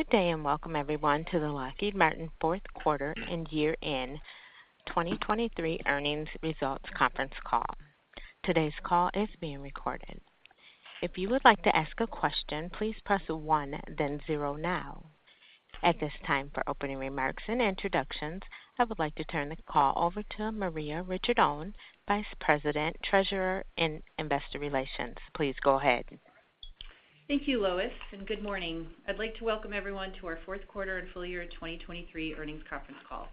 Good day, and welcome, everyone, to the Lockheed Martin Q4 and Year-End 2023 Earnings Results Conference Call. Today's call is being recorded. If you would like to ask a question, please press one, then zero now. At this time, for opening remarks and introductions, I would like to turn the call over to Maria Ricciardone, Vice President, Treasurer, and Investor Relations. Please go ahead. Thank you, Lois, and good morning. I'd like to welcome everyone to our Q4 and full year 2023 earnings conference call.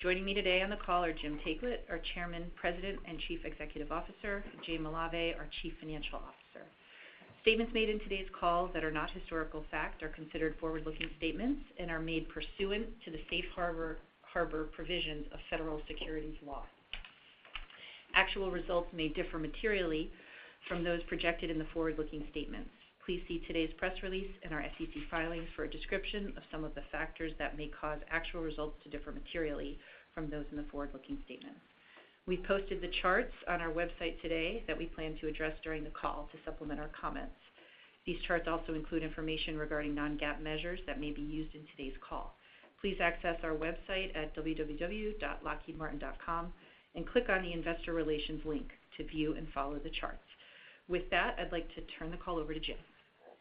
Joining me today on the call are Jim Taiclet, our Chairman, President, and Chief Executive Officer, and Jay Malave, our Chief Financial Officer. Statements made in today's call that are not historical facts are considered forward-looking statements and are made pursuant to the Safe Harbor Provisions of Federal Securities law. Actual results may differ materially from those projected in the forward-looking statements. Please see today's press release and our SEC filings for a description of some of the factors that may cause actual results to differ materially from those in the forward-looking statements. We've posted the charts on our website today that we plan to address during the call to supplement our comments. These charts also include information regarding non-GAAP measures that may be used in today's call. Please access our website at www.lockheedmartin.com and click on the Investor Relations link to view and follow the charts. With that, I'd like to turn the call over to Jim.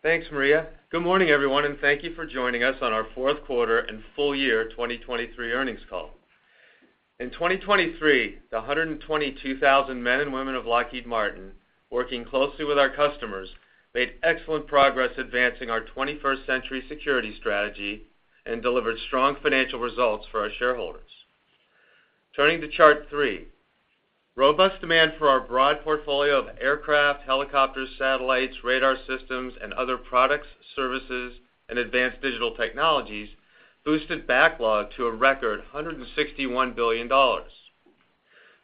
Thanks, Maria. Good morning, everyone, and thank you for joining us on our Q4 and full year 2023 earnings call. In 2023, the 122,000 men and women of Lockheed Martin, working closely with our customers, made excellent progress advancing our 21st century security strategy and delivered strong financial results for our shareholders. Turning to chart three, robust demand for our broad portfolio of aircraft, helicopters, satellites, radar systems, and other products, services, and advanced digital technologies boosted backlog to a record $161 billion.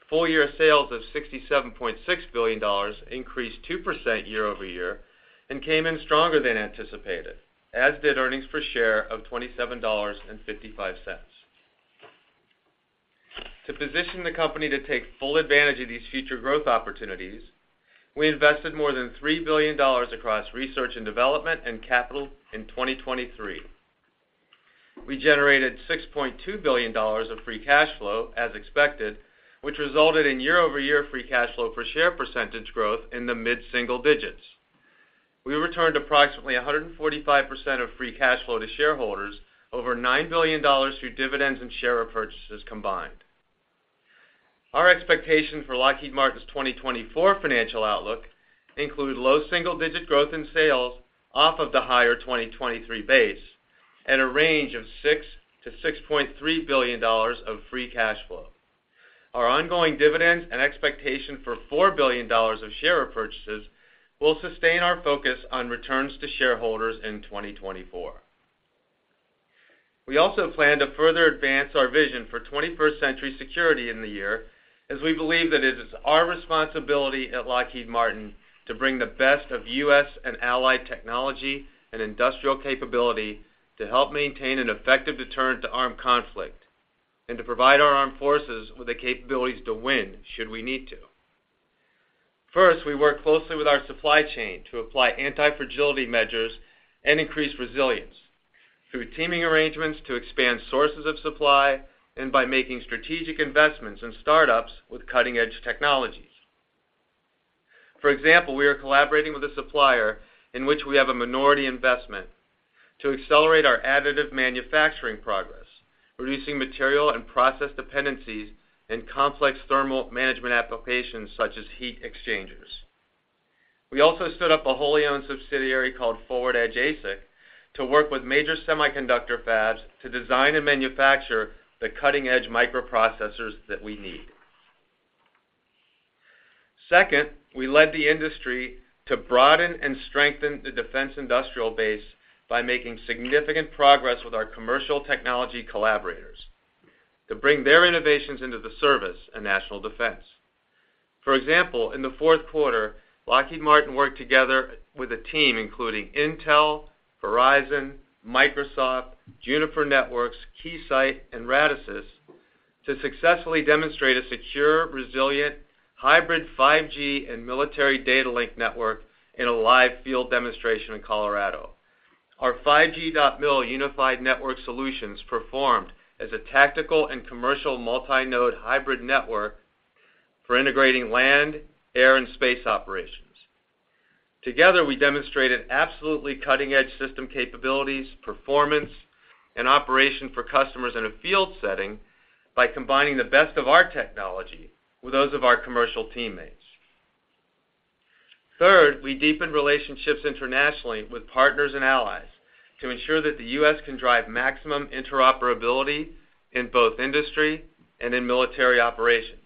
Full-year sales of $67.6 billion increased 2% year-over-year and came in stronger than anticipated, as did earnings per share of $27.55. To position the company to take full advantage of these future growth opportunities, we invested more than $3 billion across research and development and capital in 2023. We generated $6.2 billion of free cash flow, as expected, which resulted in year-over-year free cash flow per share percentage growth in the mid-single digits. We returned approximately 145% of free cash flow to shareholders, over $9 billion through dividends and share repurchases combined. Our expectations for Lockheed Martin's 2024 financial outlook include low single-digit growth in sales off of the higher 2023 base and a range of $6 billion-$6.3 billion of free cash flow. Our ongoing dividend and expectation for $4 billion of share repurchases will sustain our focus on returns to shareholders in 2024. We also plan to further advance our vision for 21st century security in the year, as we believe that it is our responsibility at Lockheed Martin to bring the best of U.S. and allied technology and industrial capability to help maintain an effective deterrent to armed conflict and to provide our armed forces with the capabilities to win, should we need to. First, we work closely with our supply chain to apply anti-fragility measures and increase resilience through teaming arrangements to expand sources of supply and by making strategic investments in startups with cutting-edge technologies. For example, we are collaborating with a supplier in which we have a minority investment to accelerate our additive manufacturing progress, reducing material and process dependencies in complex thermal management applications such as heat exchangers. We also set up a wholly owned subsidiary called ForwardEdge ASIC to work with major semiconductor fabs to design and manufacture the cutting-edge microprocessors that we need. Second, we led the industry to broaden and strengthen the defense industrial base by making significant progress with our commercial technology collaborators to bring their innovations into the service and national defense. For example, in the Q4, Lockheed Martin worked together with a team including Intel, Verizon, Microsoft, Juniper Networks, Keysight, and Radisys to successfully demonstrate a secure, resilient, hybrid 5G and military data link network in a live field demonstration in Colorado. Our 5G.MiL unified network solutions performed as a tactical and commercial multi-node hybrid network for integrating land, air, and space operations. Together, we demonstrated absolutely cutting-edge system capabilities, performance, and operation for customers in a field setting by combining the best of our technology with those of our commercial teammates. Third, we deepened relationships internationally with partners and allies to ensure that the U.S. can drive maximum interoperability in both industry and in military operations.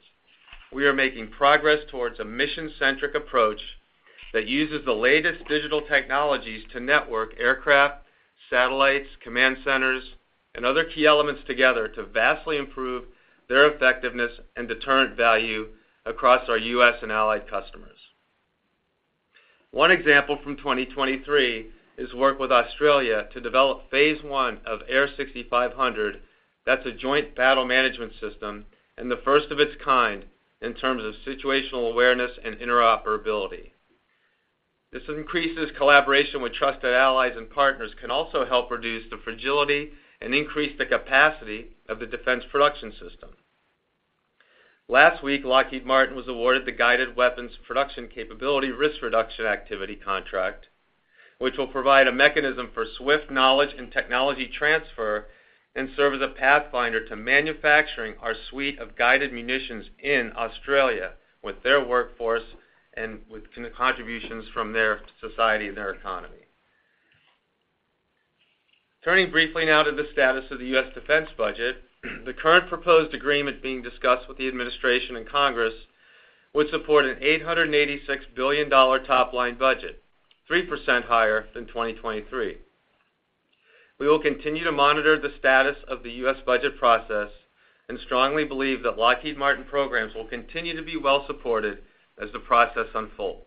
We are making progress towards a mission-centric approach that uses the latest digital technologies to network aircraft, satellites, command centers, and other key elements together to vastly improve their effectiveness and deterrent value across our U.S. and allied customers. One example from 2023 is work with Australia to develop phase one of AIR6500. That's a joint battle management system and the first of its kind in terms of situational awareness and interoperability... This increases collaboration with trusted allies and partners, can also help reduce the fragility and increase the capacity of the defense production system. Last week, Lockheed Martin was awarded the Guided Weapons Production Capability Risk Reduction Activity contract, which will provide a mechanism for swift knowledge and technology transfer and serve as a pathfinder to manufacturing our suite of guided munitions in Australia with their workforce and with contributions from their society and their economy. Turning briefly now to the status of the U.S. defense budget, the current proposed agreement being discussed with the administration and Congress would support an $886 billion top-line budget, 3% higher than 2023. We will continue to monitor the status of the U.S. budget process and strongly believe that Lockheed Martin programs will continue to be well supported as the process unfolds.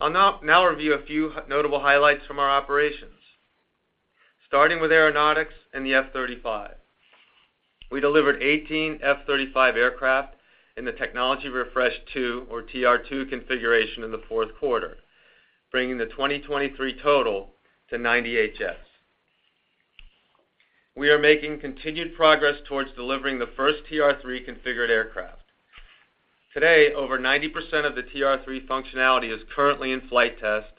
I'll now review a few notable highlights from our operations. Starting with Aeronautics and the F-35. We delivered 18 F-35 aircraft in the Technology Refresh two, or TR-2 configuration in the Q4, bringing the 2023 total to 98 jets. We are making continued progress towards delivering the first TR-3 configured aircraft. Today, over 90% of the TR-3 functionality is currently in flight test,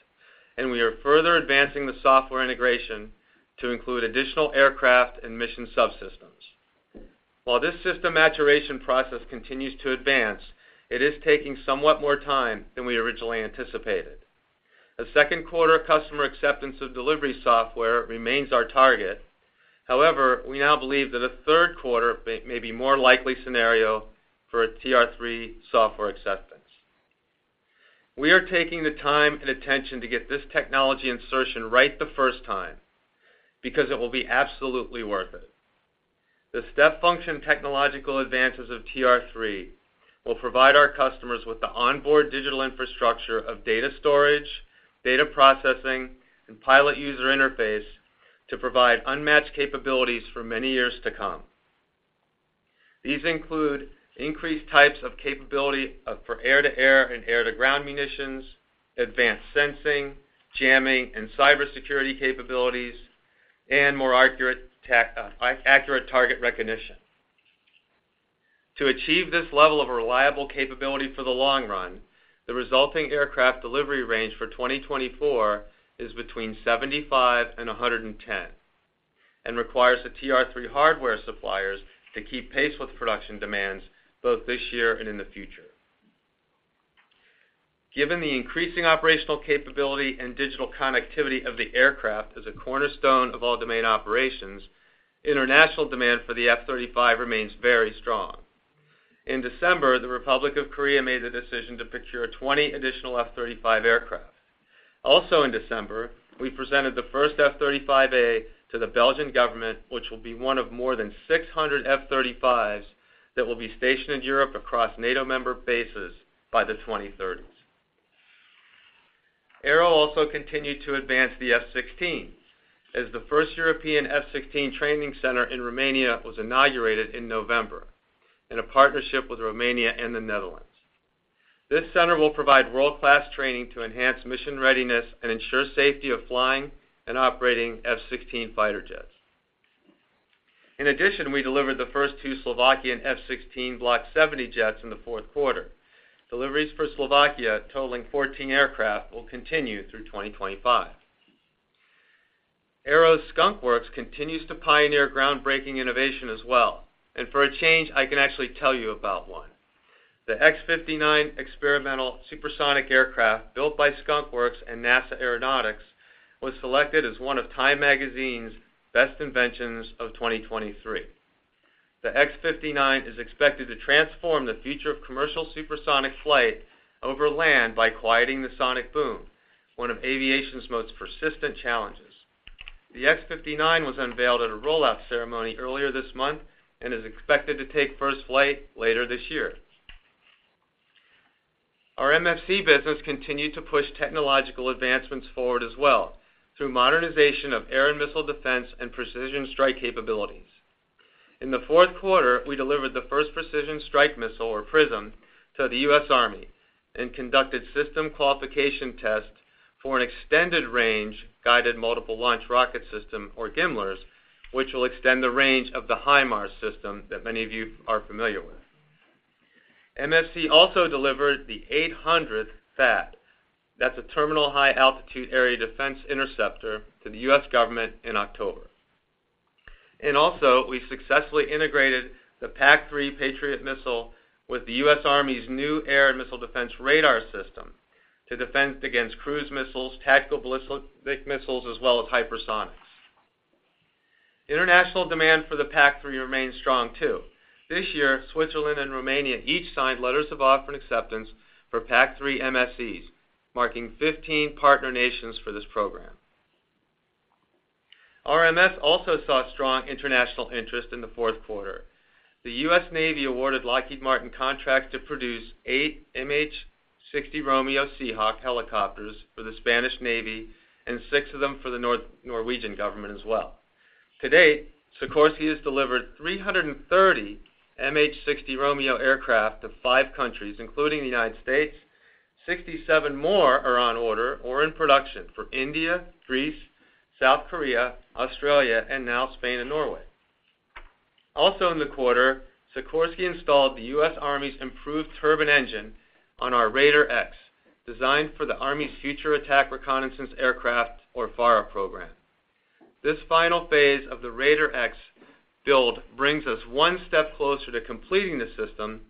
and we are further advancing the software integration to include additional aircraft and mission subsystems. While this system maturation process continues to advance, it is taking somewhat more time than we originally anticipated. A Q2 customer acceptance of delivery software remains our target. However, we now believe that a Q3 may be more likely scenario for a TR-3 software acceptance. We are taking the time and attention to get this technology insertion right the first time because it will be absolutely worth it. The step function technological advances of TR-3 will provide our customers with the onboard digital infrastructure of data storage, data processing, and pilot user interface to provide unmatched capabilities for many years to come. These include increased types of capability for air-to-air and air-to-ground munitions, advanced sensing, jamming, and cybersecurity capabilities, and more accurate target recognition. To achieve this level of reliable capability for the long run, the resulting aircraft delivery range for 2024 is between 75 and 110, and requires the TR-3 hardware suppliers to keep pace with production demands, both this year and in the future. Given the increasing operational capability and digital connectivity of the aircraft as a cornerstone of all domain operations, international demand for the F-35 remains very strong. In December, the Republic of Korea made the decision to procure 20 additional F-35 aircraft. Also in December, we presented the first F-35A to the Belgian government, which will be one of more than 600 F-35s that will be stationed in Europe across NATO member bases by the 2030s. Aero also continued to advance the F-16, as the first European F-16 training center in Romania was inaugurated in November, in a partnership with Romania and the Netherlands. This center will provide world-class training to enhance mission readiness and ensure safety of flying and operating F-16 fighter jets. In addition, we delivered the first two Slovakian F-16 Block 70 jets in the Q4. Deliveries for Slovakia, totaling 14 aircraft, will continue through 2025. Aero's Skunk Works continues to pioneer groundbreaking innovation as well, and for a change, I can actually tell you about one. The X-59 experimental supersonic aircraft, built by Skunk Works and NASA Aeronautics, was selected as one of Time Magazine's best inventions of 2023. The X-59 is expected to transform the future of commercial supersonic flight over land by quieting the sonic boom, one of aviation's most persistent challenges. The X-59 was unveiled at a rollout ceremony earlier this month and is expected to take first flight later this year. Our MFC business continued to push technological advancements forward as well, through modernization of air and missile defense and precision strike capabilities. In the Q4, we delivered the first precision strike missile, or PrSM, to the U.S. Army and conducted system qualification tests for an extended range, Guided Multiple Launch Rocket System, or GMLRS, which will extend the range of the HIMARS system that many of you are familiar with. MFC also delivered the 800th THAAD. That's a Terminal High Altitude Area Defense interceptor to the U.S. government in October. We successfully integrated the PAC-3 Patriot missile with the U.S. Army's new Air and Missile Defense Radar system to defend against cruise missiles, tactical ballistic missiles, as well as hypersonics. International demand for the PAC-3 remains strong, too. This year, Switzerland and Romania each signed letters of offer and acceptance for PAC-3 MSEs, marking 15 partner nations for this program. RMS also saw strong international interest in the Q4. The U.S. Navy awarded Lockheed Martin contracts to produce 8 MH-60 Romeo Seahawk helicopters for the Spanish Navy and 6 of them for the Norwegian government as well. To date, Sikorsky has delivered 330 MH-60 Romeo aircraft to 5 countries, including the United States. 67 more are on order or in production for India, Greece, South Korea, Australia, and now Spain and Norway. Also in the quarter, Sikorsky installed the U.S. Army's improved turbine engine on our RAIDER X, designed for the Army's Future Attack Reconnaissance Aircraft, or FARA, program. This final phase of the RAIDER X build brings us one step closer to completing the system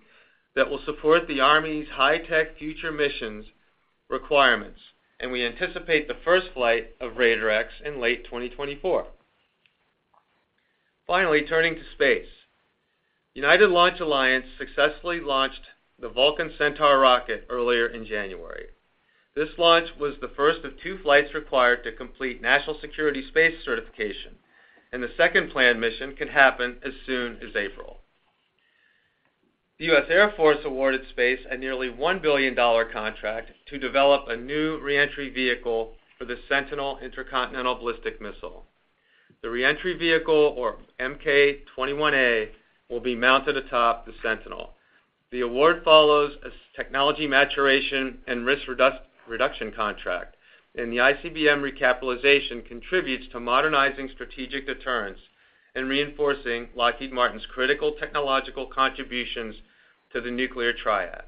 that will support the Army's high-tech future missions requirements, and we anticipate the first flight of RAIDER X in late 2024. Finally, turning to space. United Launch Alliance successfully launched the Vulcan Centaur rocket earlier in January. This launch was the first of two flights required to complete National Security Space certification, and the second planned mission could happen as soon as April. The U.S. Air Force awarded Space a nearly $1 billion contract to develop a new re-entry vehicle for the Sentinel Intercontinental Ballistic Missile. The re-entry vehicle, or MK21A, will be mounted atop the Sentinel. The award follows a technology maturation and risk reduction contract, and the ICBM recapitalization contributes to modernizing strategic deterrence and reinforcing Lockheed Martin's critical technological contributions to the nuclear triad.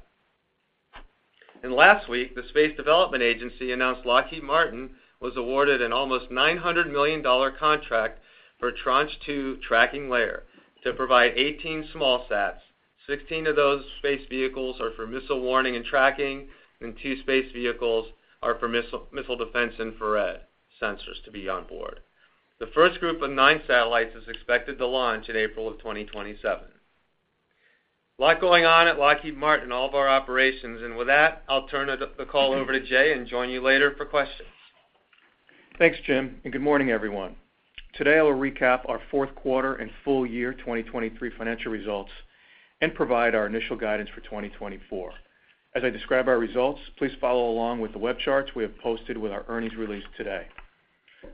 Last week, the Space Development Agency announced Lockheed Martin was awarded an almost $900 million contract for Tranche 2 Tracking Layer to provide 18 smallsats. 16 of those space vehicles are for missile warning and tracking, and two space vehicles are for missile defense infrared sensors to be on board. The first group of nine satellites is expected to launch in April 2027. A lot going on at Lockheed Martin, all of our operations, and with that, I'll turn the call over to Jay and join you later for questions. Thanks, Jim, and good morning, everyone. Today, I will recap our Q4 and full year 2023 financial results and provide our initial guidance for 2024. As I describe our results, please follow along with the web charts we have posted with our earnings release today.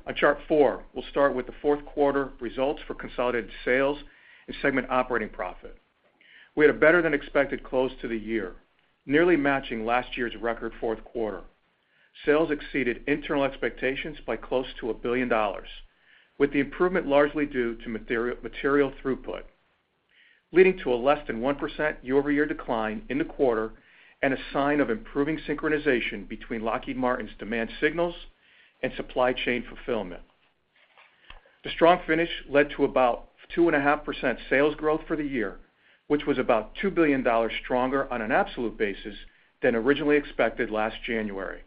On chart four, we'll start with the Q4 results for consolidated sales and segment operating profit. We had a better-than-expected close to the year, nearly matching last year's record Q4. Sales exceeded internal expectations by close to $1 billion, with the improvement largely due to material, material throughput, leading to a less than 1% year-over-year decline in the quarter and a sign of improving synchronization between Lockheed Martin's demand signals and supply chain fulfillment. The strong finish led to about 2.5% sales growth for the year, which was about $2 billion stronger on an absolute basis than originally expected last January.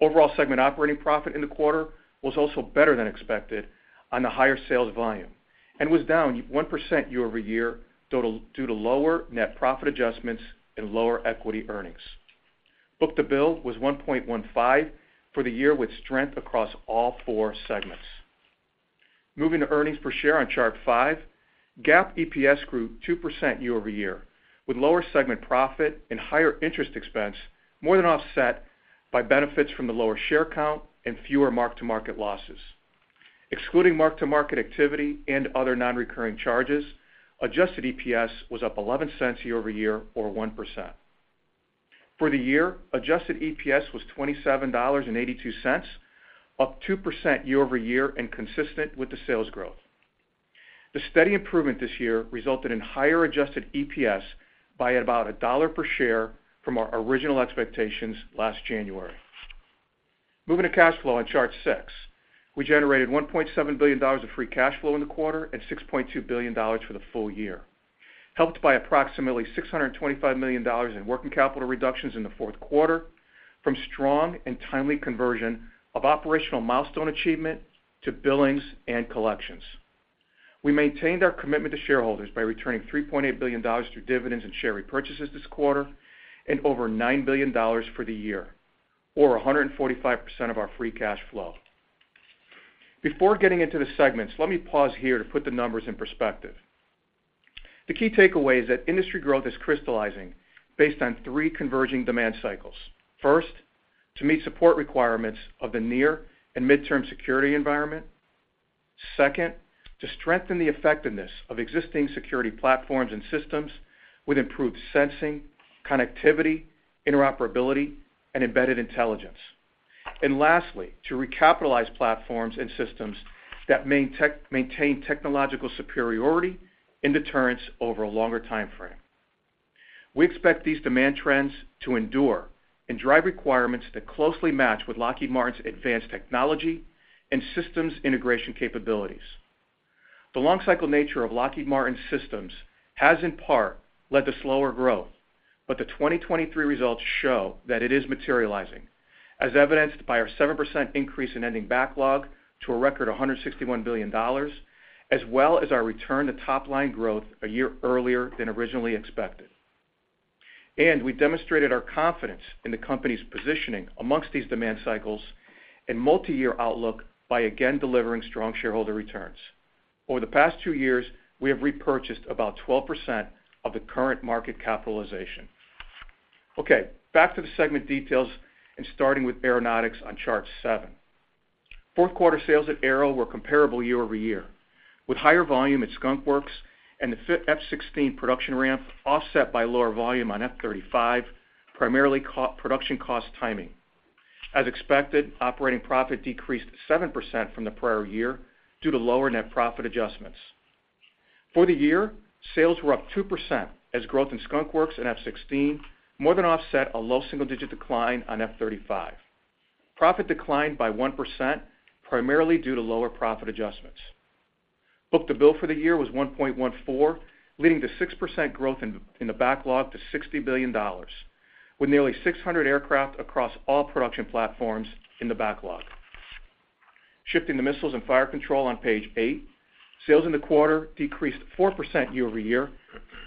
Overall Segment Operating Profit in the quarter was also better than expected on the higher sales volume and was down 1% year-over-year, due to lower net profit adjustments and lower equity earnings. Book-to-bill was 1.15 for the year, with strength across all four segments. Moving to earnings per share on Chart five, GAAP EPS grew 2% year-over-year, with lower segment profit and higher interest expense more than offset by benefits from the lower share count and fewer mark-to-market losses. Excluding mark-to-market activity and other non-recurring charges, adjusted EPS was up $0.11 year-over-year, or 1%. For the year, adjusted EPS was $27.82, up 2% year-over-year and consistent with the sales growth. The steady improvement this year resulted in higher adjusted EPS by about $1 per share from our original expectations last January. Moving to cash flow on Chart six, we generated $1.7 billion of free cash flow in the quarter and $6.2 billion for the full year, helped by approximately $625 million in working capital reductions in the Q4 from strong and timely conversion of operational milestone achievement to billings and collections. We maintained our commitment to shareholders by returning $3.8 billion through dividends and share repurchases this quarter and over $9 billion for the year, or 145% of our free cash flow. Before getting into the segments, let me pause here to put the numbers in perspective. The key takeaway is that industry growth is crystallizing based on three converging demand cycles. First, to meet support requirements of the near and midterm security environment. Second, to strengthen the effectiveness of existing security platforms and systems with improved sensing, connectivity, interoperability, and embedded intelligence. And lastly, to recapitalize platforms and systems that maintain technological superiority and deterrence over a longer time frame. We expect these demand trends to endure and drive requirements that closely match with Lockheed Martin's advanced technology and systems integration capabilities. The long cycle nature of Lockheed Martin's systems has, in part, led to slower growth, but the 2023 results show that it is materializing, as evidenced by our 7% increase in ending backlog to a record $161 billion, as well as our return to top-line growth a year earlier than originally expected. And we demonstrated our confidence in the company's positioning amongst these demand cycles and multi-year outlook by again delivering strong shareholder returns. Over the past 2 years, we have repurchased about 12% of the current market capitalization.... Okay, back to the segment details, and starting with Aeronautics on Chart seven. Q4 sales at Aero were comparable year over year, with higher volume at Skunk Works and the F-16 production ramp offset by lower volume on F-35, primarily co-production cost timing. As expected, operating profit decreased 7% from the prior year due to lower net profit adjustments. For the year, sales were up 2% as growth in Skunk Works and F-16 more than offset a low single-digit decline on F-35. Profit declined by 1%, primarily due to lower profit adjustments. Book-to-bill for the year was 1.14, leading to 6% growth in the backlog to $60 billion, with nearly 600 aircraft across all production platforms in the backlog. Shifting to Missiles and Fire Control on page eight, sales in the quarter decreased 4% year-over-year,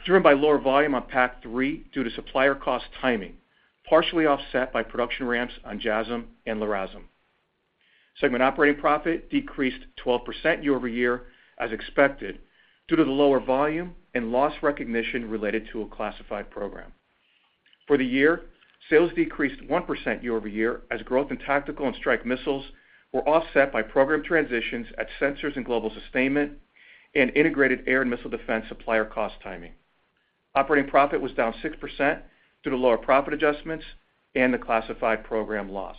driven by lower volume on PAC-3 due to supplier cost timing, partially offset by production ramps on JASSM and LRASM. Segment operating profit decreased 12% year-over-year as expected, due to the lower volume and loss recognition related to a classified program. For the year, sales decreased 1% year-over-year, as growth in tactical and strike missiles were offset by program transitions at Sensors and Global Sustainment and Integrated Air and Missile Defense supplier cost timing. Operating profit was down 6% due to lower profit adjustments and the classified program loss.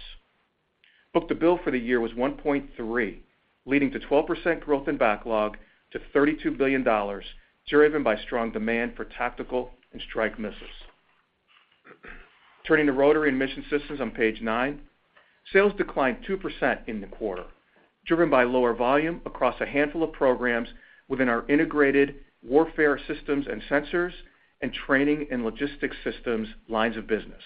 Book-to-bill for the year was 1.3, leading to 12% growth in backlog to $32 billion, driven by strong demand for tactical and strike missiles. Turning to Rotary and Mission Systems on page nine, sales declined 2% in the quarter, driven by lower volume across a handful of programs within our Integrated Warfare Systems and Sensors and Training and Logistics Systems lines of business,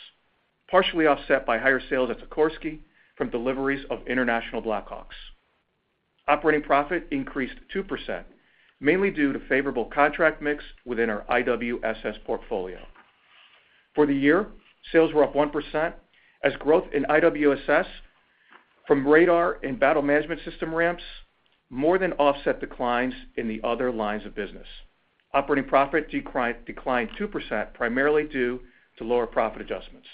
partially offset by higher sales at Sikorsky from deliveries of international Black Hawks. Operating profit increased 2%, mainly due to favorable contract mix within our IWSS portfolio. For the year, sales were up 1% as growth in IWSS from radar and battle management system ramps more than offset declines in the other lines of business. Operating profit declined 2%, primarily due to lower profit adjustments.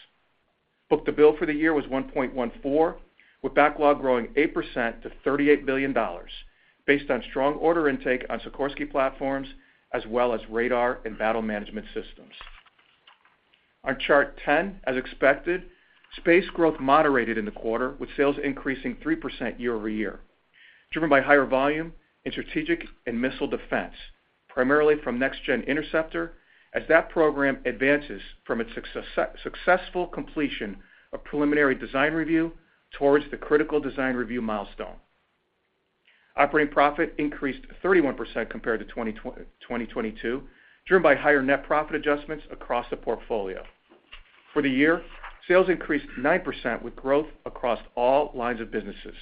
Book-to-bill for the year was 1.14, with backlog growing 8% to $38 billion, based on strong order intake on Sikorsky platforms, as well as radar and battle management systems. On Chart 10, as expected, space growth moderated in the quarter, with sales increasing 3% year-over-year, driven by higher volume in strategic and missile defense, primarily from Next Gen Interceptor, as that program advances from its successful completion of preliminary design review towards the critical design review milestone. Operating profit increased 31% compared to 2022, driven by higher net profit adjustments across the portfolio. For the year, sales increased 9%, with growth across all lines of businesses,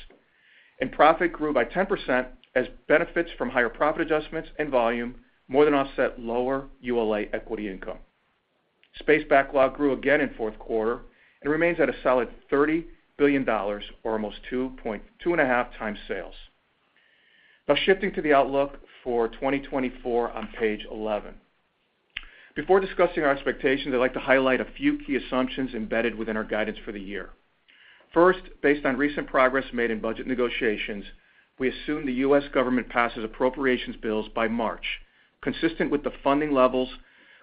and profit grew by 10% as benefits from higher profit adjustments and volume more than offset lower ULA equity income. Space backlog grew again in Q4 and remains at a solid $30 billion, or almost 2-2.5x sales. Now shifting to the outlook for 2024 on page 11. Before discussing our expectations, I'd like to highlight a few key assumptions embedded within our guidance for the year. First, based on recent progress made in budget negotiations, we assume the U.S. government passes appropriations bills by March, consistent with the funding levels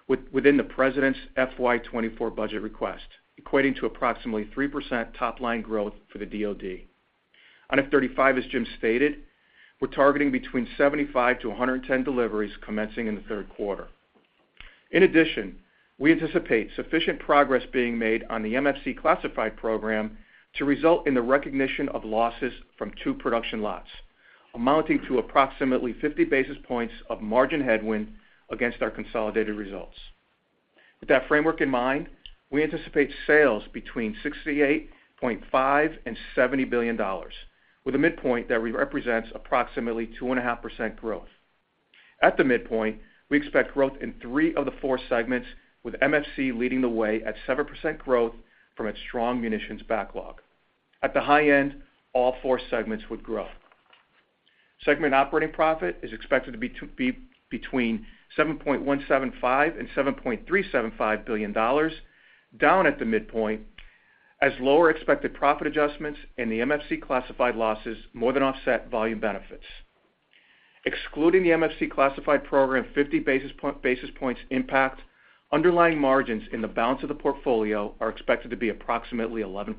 within the President's FY 2024 budget request, equating to approximately 3% top-line growth for the DoD. On F-35, as Jim stated, we're targeting between 75-110 deliveries commencing in the Q3. In addition, we anticipate sufficient progress being made on the MFC classified program to result in the recognition of losses from two production lots, amounting to approximately 50 basis points of margin headwind against our consolidated results. With that framework in mind, we anticipate sales between $68.5 billion-$70 billion, with a midpoint that represents approximately 2.5% growth. At the midpoint, we expect growth in three of the four segments, with MFC leading the way at 7% growth from its strong munitions backlog. At the high end, all four segments would grow. Segment Operating Profit is expected to be between $7.175 billion and $7.375 billion, down at the midpoint, as lower expected profit adjustments and the MFC Classified losses more than offset volume benefits. Excluding the MFC Classified Program, 50 basis points impact, underlying margins in the balance of the portfolio are expected to be approximately 11%.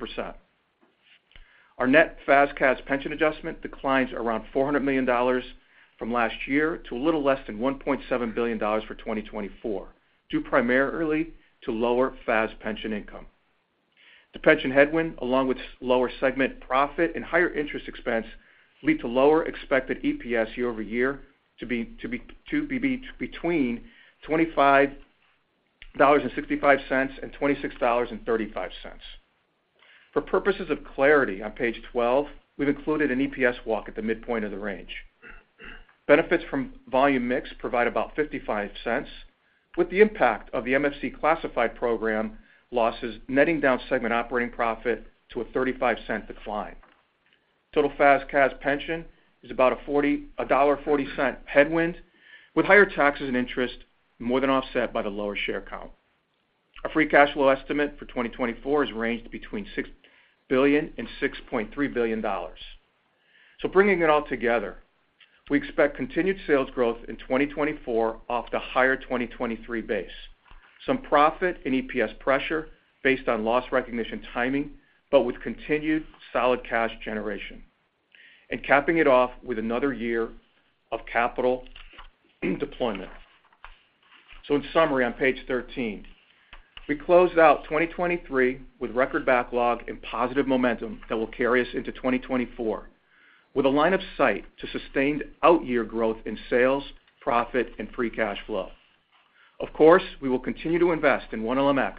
Our net FAS/CAS pension adjustment declines around $400 million from last year to a little less than $1.7 billion for 2024, due primarily to lower FAS pension income. The pension headwind, along with lower segment profit and higher interest expense, lead to lower expected EPS year-over-year to be between $25.65 and $26.35. For purposes of clarity, on page 12, we've included an EPS walk at the midpoint of the range. Benefits from volume mix provide about $0.55, with the impact of the MFC classified program losses netting down segment operating profit to a $0.35 decline. Total FAS/CAS pension is about a $1.40 headwind, with higher taxes and interest more than offset by the lower share count. Our free cash flow estimate for 2024 ranges between $6 billion and $6.3 billion. So bringing it all together, we expect continued sales growth in 2024 off the higher 2023 base. Some profit and EPS pressure based on loss recognition timing, but with continued solid cash generation, and capping it off with another year of capital deployment. So in summary, on page 13, we closed out 2023 with record backlog and positive momentum that will carry us into 2024, with a line of sight to sustained out-year growth in sales, profit, and Free Cash Flow. Of course, we will continue to invest in 1LMX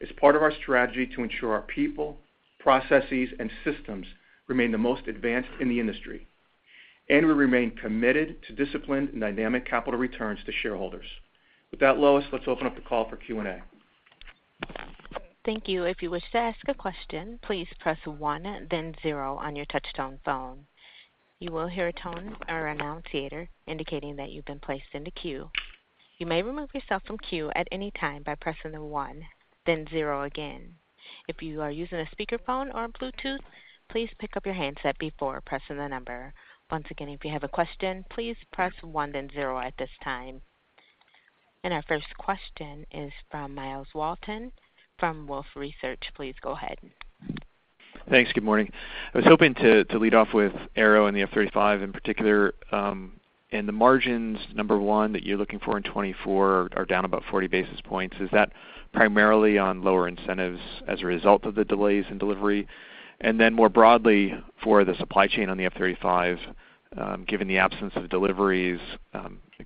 as part of our strategy to ensure our people, processes, and systems remain the most advanced in the industry, and we remain committed to disciplined and dynamic capital returns to shareholders. With that, Lois, let's open up the call for Q&A. Thank you. If you wish to ask a question, please press one, then zero on your touchtone phone. You will hear a tone or annunciator indicating that you've been placed in the queue. You may remove yourself from queue at any time by pressing the one, then zero again. If you are using a speakerphone or a Bluetooth, please pick up your handset before pressing the number. Once again, if you have a question, please press one, then zero at this time. Our first question is from Myles Walton from Wolfe Research. Please go ahead. Thanks. Good morning. I was hoping to lead off with Aero and the F-35 in particular, and the margins, number one, that you're looking for in 2024 are down about 40 basis points. Is that primarily on lower incentives as a result of the delays in delivery? And then more broadly, for the supply chain on the F-35, given the absence of deliveries,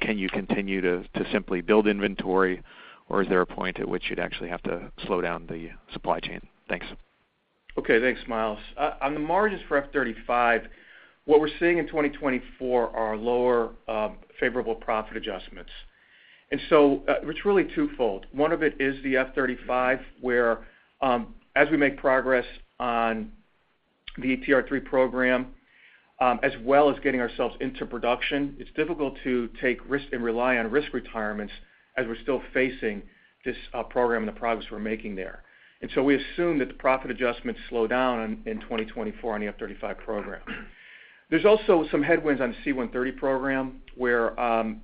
can you continue to simply build inventory, or is there a point at which you'd actually have to slow down the supply chain? Thanks. Okay, thanks, Myles. On the margins for F-35, what we're seeing in 2024 are lower favorable profit adjustments. And so, it's really twofold. One of it is the F-35, where, as we make progress on the TR-3 program, as well as getting ourselves into production, it's difficult to take risk and rely on risk retirements as we're still facing this program and the progress we're making there. And so we assume that the profit adjustments slow down in 2024 on the F-35 program. There's also some headwinds on the C-130 program, where,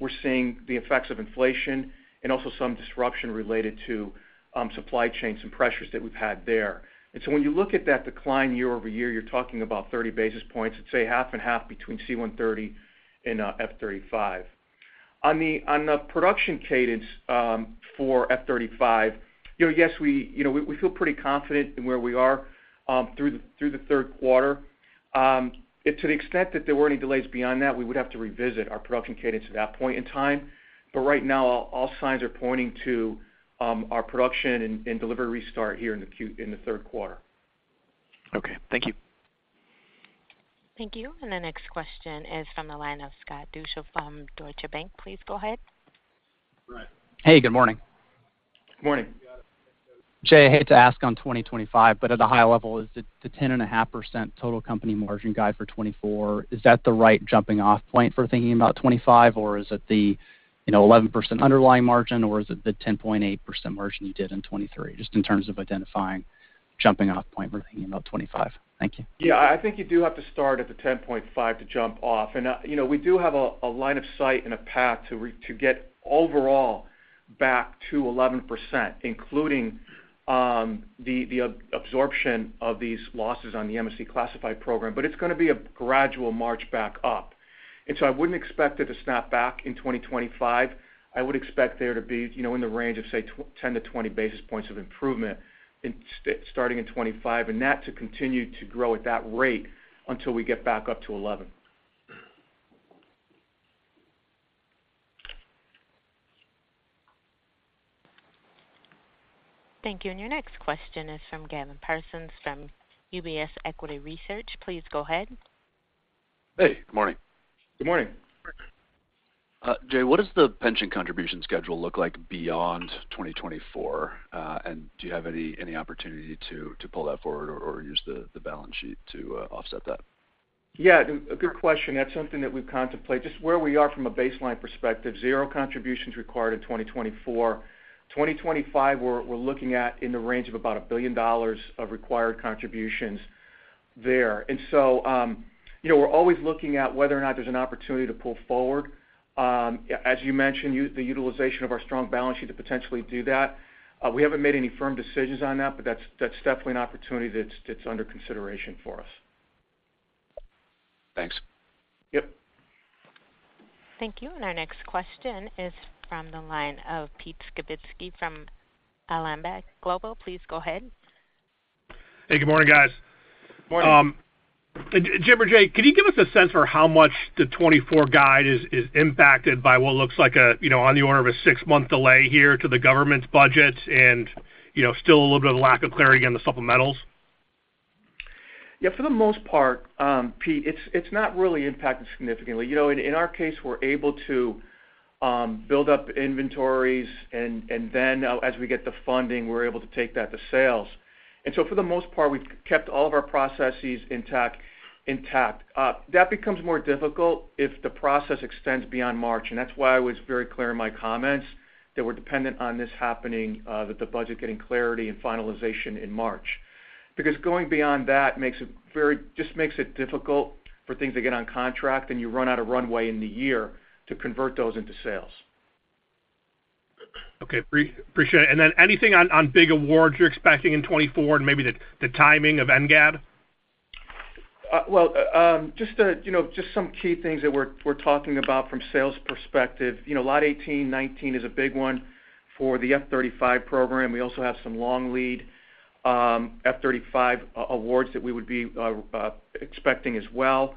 we're seeing the effects of inflation and also some disruption related to supply chains and pressures that we've had there. And so when you look at that decline year over year, you're talking about 30 basis points, let's say, half and half between C-130 and F-35. On the production cadence for F-35, you know, yes, we feel pretty confident in where we are through the Q3. And to the extent that there were any delays beyond that, we would have to revisit our production cadence at that point in time. But right now, all signs are pointing to our production and delivery restart here in the Q3. Okay, thank you. Thank you. And the next question is from the line of Scott Deuschle from Deutsche Bank. Please go ahead. Right. Hey, good morning. Good morning. Jay, I hate to ask on 2025, but at a high level, is the 10.5% total company margin guide for 2024 the right jumping off point for thinking about 2025? Or is it the, you know, 11% underlying margin, or is it the 10.8% margin you did in 2023? Just in terms of identifying jumping off point for thinking about 2025. Thank you. Yeah, I think you do have to start at the 10.5 to jump off. And, you know, we do have a line of sight and a path to get overall back to 11%, including the absorption of these losses on the MFC Classified Program, but it's gonna be a gradual march back up. And so I wouldn't expect it to snap back in 2025. I would expect there to be, you know, in the range of, say, 10-20 basis points of improvement starting in 2025, and that to continue to grow at that rate until we get back up to 11%. Thank you. And your next question is from Gavin Parsons, from UBS Equity Research. Please go ahead. Hey, good morning. Good morning. Jay, what does the pension contribution schedule look like beyond 2024? And do you have any opportunity to pull that forward or use the balance sheet to offset that? Yeah, a good question. That's something that we've contemplated. Just where we are from a baseline perspective, zero contributions required in 2024. 2025, we're looking at in the range of about $1 billion of required contributions there. And so, you know, we're always looking at whether or not there's an opportunity to pull forward. As you mentioned, the utilization of our strong balance sheet to potentially do that. We haven't made any firm decisions on that, but that's definitely an opportunity that's under consideration for us. Thanks. Yep. Thank you. And our next question is from the line of Pete Skibitski from Alembic Global. Please go ahead. Hey, good morning, guys. Morning. Jim or Jay, can you give us a sense for how much the 2024 guide is impacted by what looks like a, you know, on the order of a six-month delay here to the government's budget and, you know, still a little bit of lack of clarity on the supplementals? Yeah, for the most part, Pete, it's not really impacted significantly. You know, in our case, we're able to build up inventories, and then as we get the funding, we're able to take that to sales. And so for the most part, we've kept all of our processes intact. That becomes more difficult if the process extends beyond March, and that's why I was very clear in my comments that we're dependent on this happening, that the budget getting clarity and finalization in March. Because going beyond that just makes it difficult for things to get on contract, and you run out of runway in the year to convert those into sales. Okay, appreciate it. And then anything on big awards you're expecting in 2024 and maybe the timing of NGAD? Well, you know, just some key things that we're talking about from sales perspective. You know, Lot 18, 19 is a big one for the F-35 program. We also have some long-lead F-35 awards that we would be expecting as well.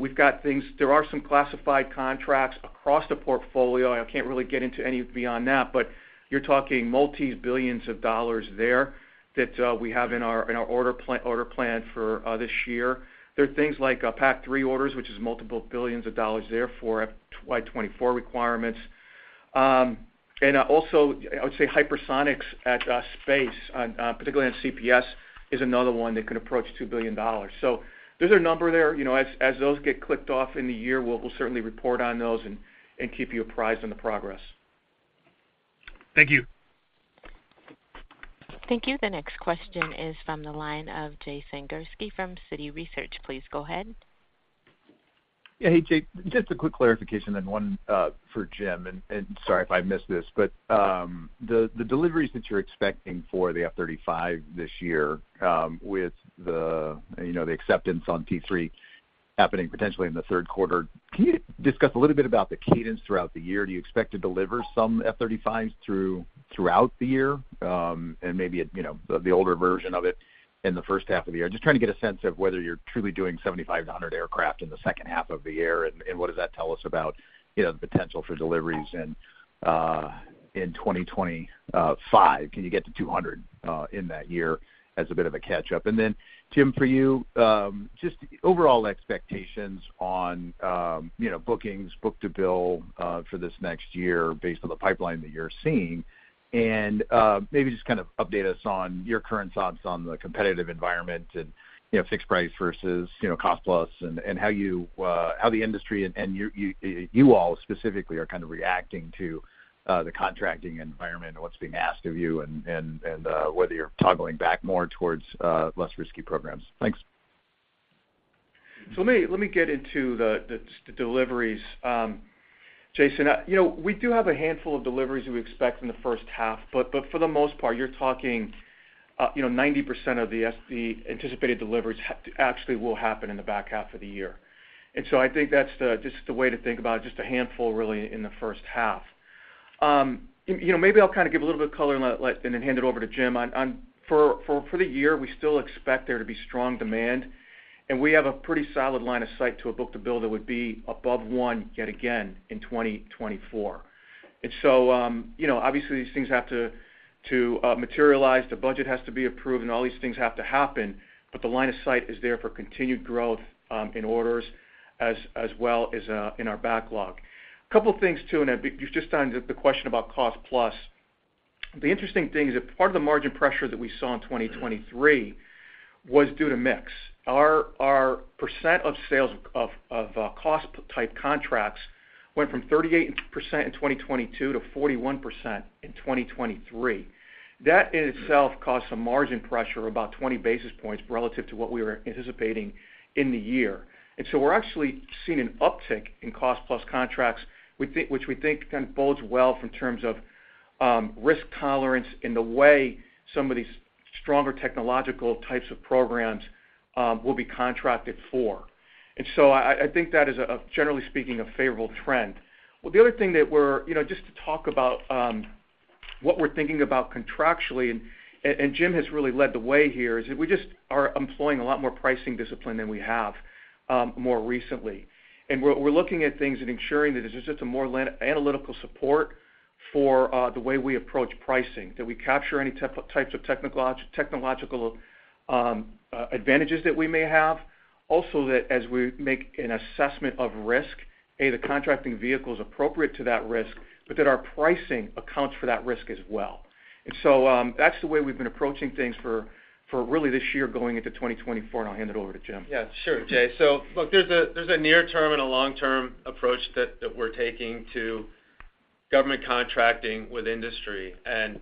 We've got things, there are some classified contracts across the portfolio. I can't really get into any beyond that, but you're talking multi-billions of dollars there that we have in our order plan for this year. There are things like PAC-3 orders, which is multiple billions of dollars there for FY-24 requirements. Also, I would say hypersonics at Space, particularly on CPS, is another one that could approach $2 billion. So there's a number there. You know, as those get clicked off in the year, we'll certainly report on those and keep you apprised on the progress. Thank you. Thank you. The next question is from the line of Jason Gursky from Citi Research. Please go ahead. Yeah, hey, Jay. Just a quick clarification, then one for Jim, and sorry if I missed this, but the deliveries that you're expecting for the F-35 this year, with you know the acceptance on [TR-3] happening potentially in the Q3, can you discuss a little bit about the cadence throughout the year? Do you expect to deliver some F-35s throughout the year, and maybe, you know, the older version of it in the H1 of the year? Just trying to get a sense of whether you're truly doing 75-100 aircraft in the H2 of the year, and what does that tell us about, you know, the potential for deliveries in 2025? Can you get to 200 in that year as a bit of a catch up? And then, Jim, for you, just overall expectations on, you know, bookings, book-to-bill, for this next year based on the pipeline that you're seeing. And, maybe just kind of update us on your current thoughts on the competitive environment and, you know, fixed price versus, you know, cost plus, and, and, and, how you, how the industry and, and you, you, you all specifically are kind of reacting to, the contracting environment and what's being asked of you, and, and, and, whether you're toggling back more towards, less risky programs. Thanks. So let me get into the deliveries. Jason, you know, we do have a handful of deliveries we expect in the H1, but for the most part, you're talking 90% of the anticipated deliveries actually will happen in the back half of the year. And so I think that's just the way to think about it, just a handful, really, in the H1. You know, maybe I'll kind of give a little bit of color and then hand it over to Jim. For the year, we still expect there to be strong demand, and we have a pretty solid line of sight to a book-to-bill that would be above one yet again in 2024. And so, you know, obviously, these things have to materialize, the budget has to be approved, and all these things have to happen, but the line of sight is there for continued growth in orders as well as in our backlog. A couple of things, too, and then you've just turned to the question about cost plus. The interesting thing is that part of the margin pressure that we saw in 2023 was due to mix. Our percent of sales of cost type contracts went from 38% in 2022 to 41% in 2023. That in itself caused some margin pressure of about 20 basis points relative to what we were anticipating in the year. And so we're actually seeing an uptick in cost plus contracts, we think, which we think kind of bodes well in terms of risk tolerance in the way some of these stronger technological types of programs will be contracted for. And so I think that is, generally speaking, a favorable trend. Well, the other thing that we're, you know, just to talk about what we're thinking about contractually, and Jim has really led the way here, is that we just are employing a lot more pricing discipline than we have more recently. And we're looking at things and ensuring that there's just a more analytical support for the way we approach pricing, that we capture any types of technological advantages that we may have. Also, that as we make an assessment of risk, A, the contracting vehicle is appropriate to that risk, but that our pricing accounts for that risk as well. And so, that's the way we've been approaching things for really this year going into 2024, and I'll hand it over to Jim. Yeah, sure, Jay. So look, there's a near-term and a long-term approach that we're taking to government contracting with industry. And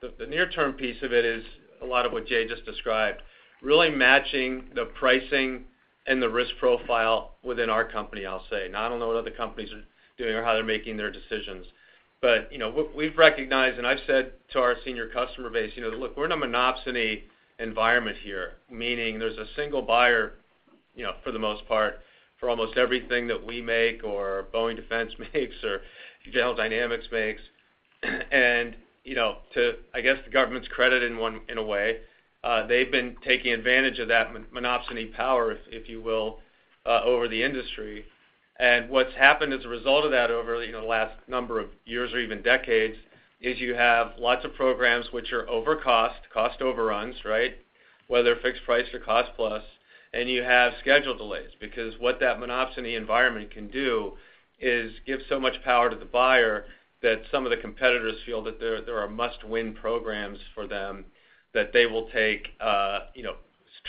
the near-term piece of it is a lot of what Jay just described, really matching the pricing and the risk profile within our company, I'll say. Now, I don't know what other companies are doing or how they're making their decisions, but, you know, we've recognized, and I've said to our senior customer base, you know, look, we're in a monopsony environment here, meaning there's a single buyer, you know, for the most part, for almost everything that we make, or Boeing Defense makes, or General Dynamics makes. And, you know, to, I guess, the government's credit in one-- in a way, they've been taking advantage of that monopsony power, if you will, over the industry. And what's happened as a result of that over, you know, the last number of years or even decades, is you have lots of programs which are over cost, cost overruns, right? Whether fixed price or cost plus, and you have schedule delays. Because what that monopsony environment can do is give so much power to the buyer that some of the competitors feel that there are must-win programs for them, that they will take, you know,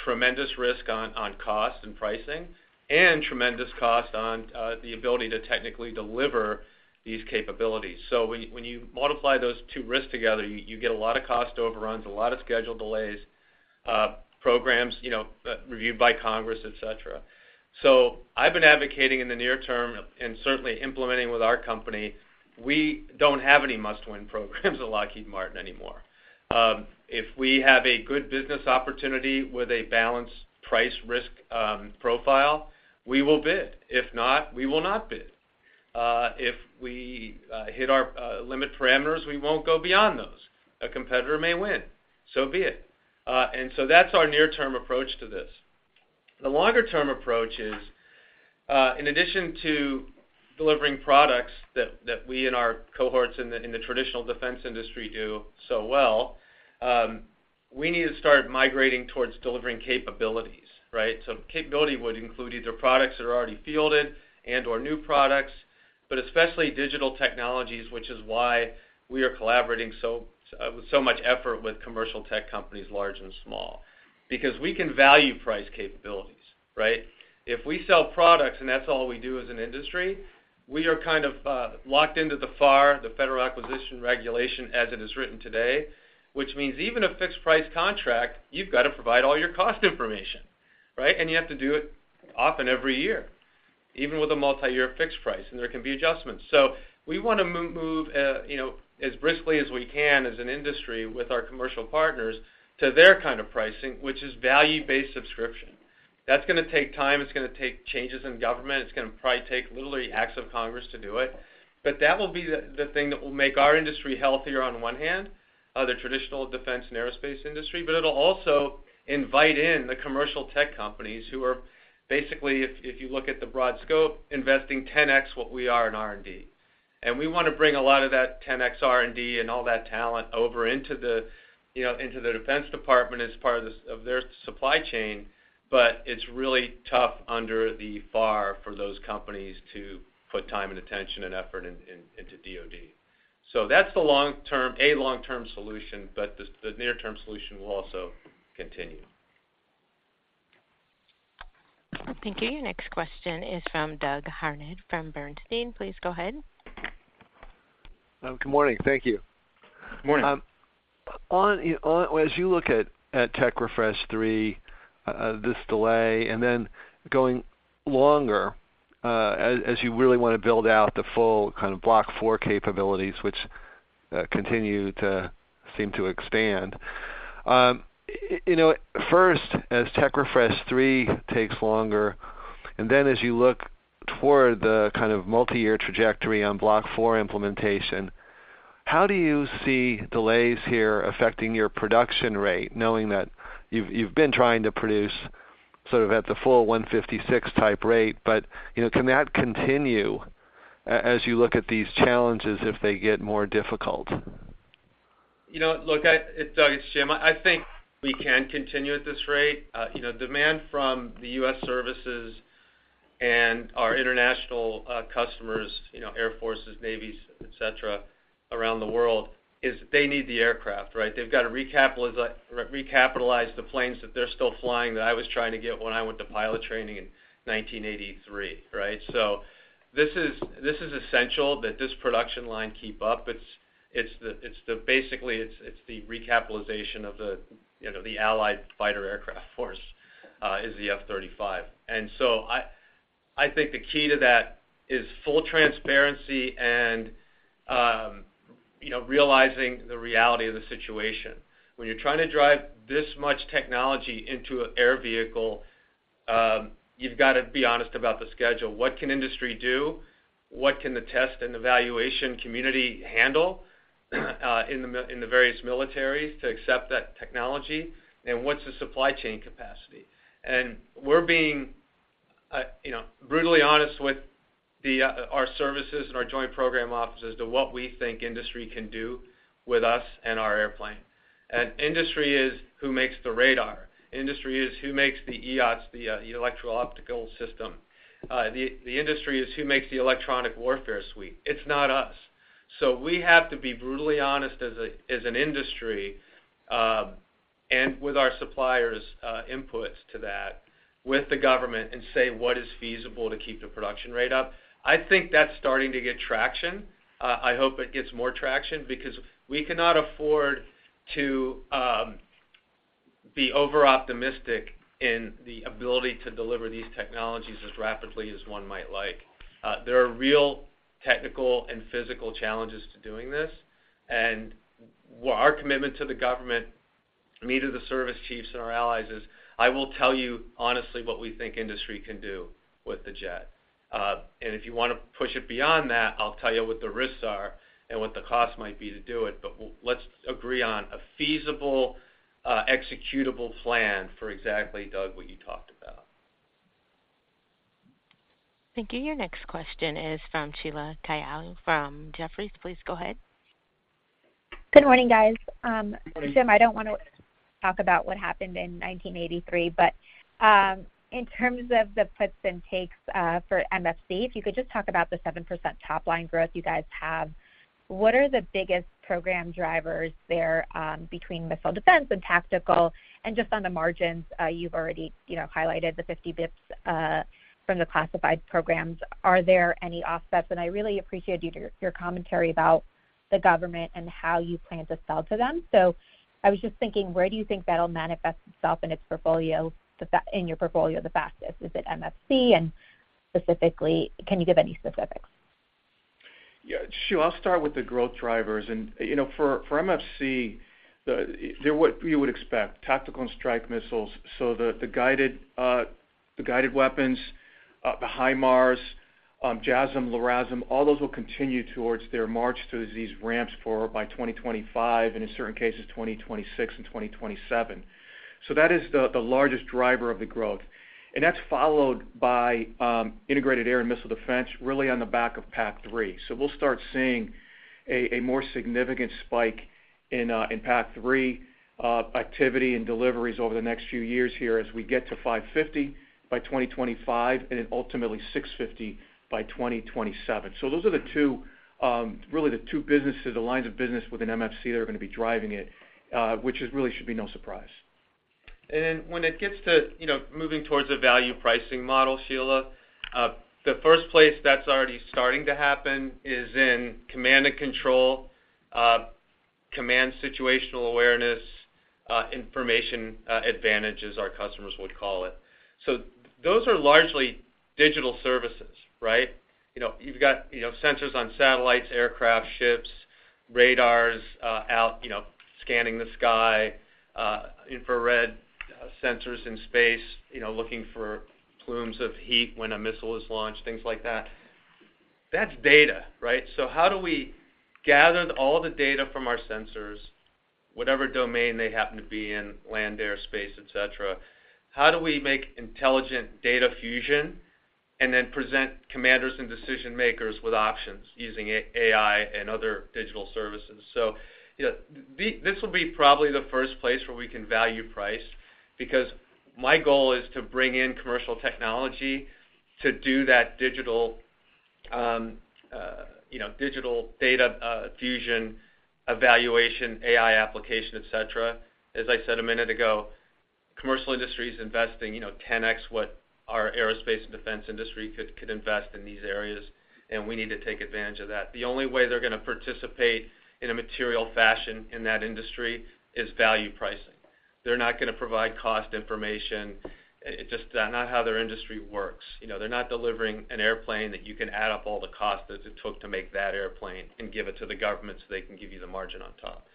tremendous risk on cost and pricing, and tremendous cost on the ability to technically deliver these capabilities. So when you multiply those two risks together, you get a lot of cost overruns, a lot of schedule delays, programs, you know, reviewed by Congress, et cetera. So I've been advocating in the near term, and certainly implementing with our company, we don't have any must-win programs at Lockheed Martin anymore. If we have a good business opportunity with a balanced price risk, profile, we will bid. If not, we will not bid. If we hit our limit parameters, we won't go beyond those. A competitor may win, so be it. And so that's our near-term approach to this. The longer-term approach is, in addition to delivering products that we and our cohorts in the traditional defense industry do so well, we need to start migrating towards delivering capabilities, right? So capability would include either products that are already fielded and/or new products, but especially digital technologies, which is why we are collaborating so with so much effort with commercial tech companies, large and small. Because we can value price capabilities, right? If we sell products, and that's all we do as an industry, we are kind of locked into the FAR, the Federal Acquisition Regulation, as it is written today, which means even a fixed price contract, you've got to provide all your cost information, right? And you have to do it often every year, even with a multi-year fixed price, and there can be adjustments. So we want to move, you know, as briskly as we can as an industry with our commercial partners to their kind of pricing, which is value-based subscription. That's gonna take time, it's gonna take changes in government, it's gonna probably take literally acts of Congress to do it. But that will be the thing that will make our industry healthier on one hand, the traditional defense and aerospace industry, but it'll also invite in the commercial tech companies who are basically, if you look at the broad scope, investing 10x what we are in R&D. And we want to bring a lot of that 10x R&D and all that talent over into the, you know, into the Defense Department as part of their supply chain, but it's really tough under the FAR for those companies to put time and attention and effort into, into DoD. So that's the long term, a long-term solution, but the s- the near-term solution will also continue. Thank you. Next question is from Douglas Harned, from Bernstein. Please go ahead. Good morning. Thank you. Good morning. On, as you look at Tech Refresh 3, this delay, and then going longer, as you really want to build out the full kind of Block 4 capabilities, which continue to seem to expand. You know, first, as Tech Refresh 3 takes longer, and then as you look toward the kind of multi-year trajectory on Block 4 implementation, how do you see delays here affecting your production rate, knowing that you've been trying to produce sort of at the full 156 type rate, but, you know, can that continue as you look at these challenges, if they get more difficult? You know, look, Doug, it's Jim. I think we can continue at this rate. You know, demand from the U.S. services and our international customers, you know, air forces, navies, et cetera, around the world, is they need the aircraft, right? They've got to recapitalize the planes that they're still flying, that I was trying to get when I went to pilot training in 1983, right? So this is essential that this production line keep up. It's basically the recapitalization of the, you know, the allied fighter aircraft force is the F-35. And so I think the key to that is full transparency and, you know, realizing the reality of the situation. When you're trying to drive this much technology into an air vehicle, you've got to be honest about the schedule. What can industry do? What can the test and evaluation community handle in the various militaries to accept that technology? And what's the supply chain capacity? And we're being, you know, brutally honest with our services and our joint program offices to what we think industry can do with us and our airplane. And industry is who makes the radar. Industry is who makes the EOS, the Electro-Optical System. The industry is who makes the electronic warfare suite. It's not us. So we have to be brutally honest as an industry, and with our suppliers' inputs to that, with the government and say, what is feasible to keep the production rate up? I think that's starting to get traction. I hope it gets more traction because we cannot afford to be over-optimistic in the ability to deliver these technologies as rapidly as one might like. There are real technical and physical challenges to doing this, and our commitment to the government, me to the service chiefs and our allies, is I will tell you honestly what we think industry can do with the jet. And if you want to push it beyond that, I'll tell you what the risks are and what the costs might be to do it, but let's agree on a feasible executable plan for exactly, Doug, what you talked about. Thank you. Your next question is from Sheila Kahyaoglu from Jefferies. Please go ahead. Good morning, guys. Good morning. Jim, I don't want to talk about what happened in 1983, but in terms of the puts and takes for MFC, if you could just talk about the 7% top-line growth you guys have. What are the biggest program drivers there between missile defense and tactical, and just on the margins, you've already, you know, highlighted the 50 basis points from the classified programs. Are there any offsets? And I really appreciate your, your commentary about the government and how you plan to sell to them. So I was just thinking, where do you think that'll manifest itself in its portfolio, in your portfolio the fastest? Is it MFC, and specifically, can you give any specifics? Yeah, sure. I'll start with the growth drivers. You know, for MFC, they're what you would expect, tactical and strike missiles. So the guided weapons, the HIMARS, JASSM, LRASM, all those will continue towards their march to these ramps for by 2025, and in certain cases, 2026 and 2027. So that is the largest driver of the growth. And that's followed by integrated air and missile defense, really on the back of PAC-3. So we'll start seeing a more significant spike in PAC-3 activity and deliveries over the next few years here as we get to 550 by 2025 and then ultimately 650 by 2027. So those are the two, really the two businesses, the lines of business within MFC, that are going to be driving it, which is really should be no surprise. And then when it gets to, you know, moving towards a value pricing model, Sheila, the first place that's already starting to happen is in command and control, command situational awareness, information, advantages, our customers would call it. So those are largely digital services, right? You know, you've got, you know, sensors on satellites, aircraft, ships, radars, out, you know, scanning the sky, infrared, sensors in space, you know, looking for plumes of heat when a missile is launched, things like that. That's data, right? So how do we gather all the data from our sensors, whatever domain they happen to be in, land, air, space, et cetera, how do we make intelligent data fusion and then present commanders and decision-makers with options using AI and other digital services? So, you know, this will be probably the first place where we can value price, because my goal is to bring in commercial technology to do that digital, you know, digital data fusion, evaluation, AI application, et cetera. As I said a minute ago, commercial industry is investing, you know, 10x what our aerospace and defense industry could invest in these areas, and we need to take advantage of that. The only way they're going to participate in a material fashion in that industry is value pricing. They're not going to provide cost information. It's just not how their industry works. You know, they're not delivering an airplane that you can add up all the costs that it took to make that airplane and give it to the government, so they can give you the margin on top.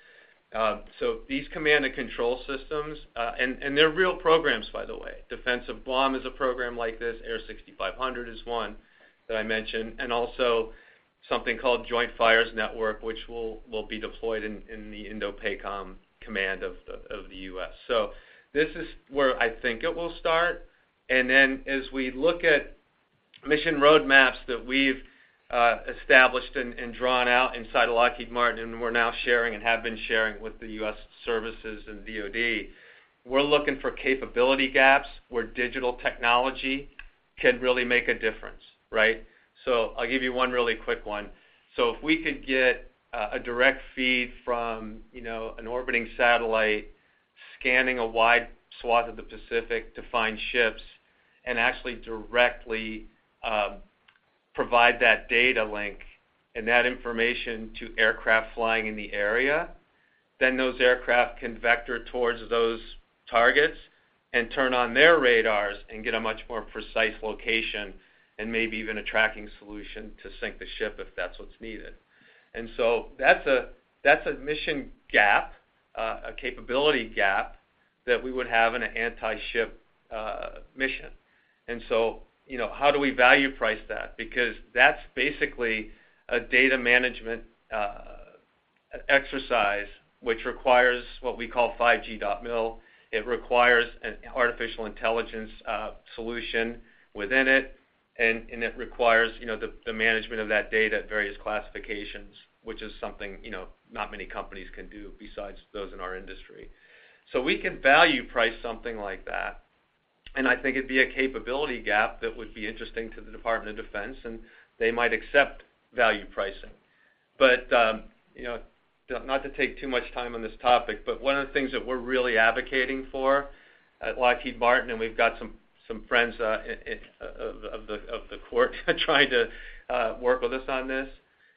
So these command and control systems, and they're real programs, by the way. Defensive Bomb is a program like this, AIR6500 is one that I mentioned, and also something called Joint Fires Network, which will be deployed in the INDOPACOM command of the US. So this is where I think it will start. And then as we look at mission roadmaps that we've established and drawn out inside of Lockheed Martin, and we're now sharing and have been sharing with the U.S. services and DOD, we're looking for capability gaps where digital technology can really make a difference, right? So I'll give you one really quick one. So if we could get a direct feed from, you know, an orbiting satellite scanning a wide swath of the Pacific to find ships and actually directly provide that data link and that information to aircraft flying in the area, then those aircraft can vector towards those targets and turn on their radars and get a much more precise location and maybe even a tracking solution to sink the ship if that's what's needed. And so that's a mission gap, a capability gap that we would have in an anti-ship mission. And so, you know, how do we value price that? Because that's basically a data management exercise, which requires what we call 5G.MIL. It requires an artificial intelligence solution within it, and it requires, you know, the management of that data at various classifications, which is something, you know, not many companies can do besides those in our industry. So we can value price something like that, and I think it'd be a capability gap that would be interesting to the Department of Defense, and they might accept value pricing. But, you know, not to take too much time on this topic, but one of the things that we're really advocating for at Lockheed Martin, and we've got some friends of the court trying to work with us on this,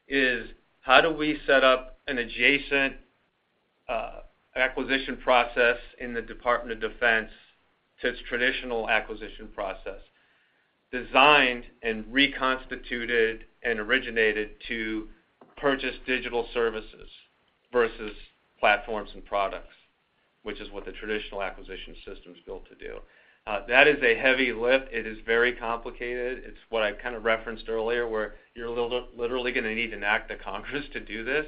is how do we set up an adjacent acquisition process in the Department of Defense to its traditional acquisition process, designed and reconstituted and originated to purchase digital services versus platforms and products, which is what the traditional acquisition system is built to do. That is a heavy lift. It is very complicated. It's what I kind of referenced earlier, where you're literally going to need an act of Congress to do this.